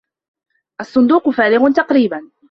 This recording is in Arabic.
الصندوق فارغ تقريبا